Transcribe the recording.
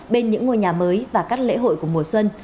bên những ngôi nhà mới và các lễ hội của mùa xuân